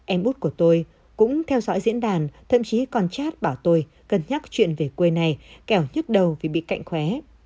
em út của tôi cũng theo dõi diễn đàn thậm chí còn chat bảo tôi cần nhắc chuyện về quê này kéo nhức đầu vì bị cạnh khóe